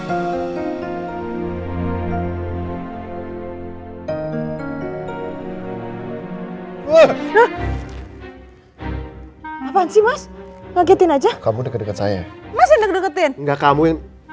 apaan sih mas ngagetin aja kamu deket deket saya masih deket deketin enggak kamu yang